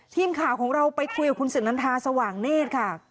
ทีมข่าวของเราไปคุยกับคุณสินนันทาสว่างเนธค่ะ